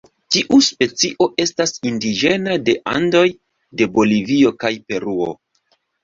Tiu specio estas indiĝena de Andoj de Bolivio kaj Peruo.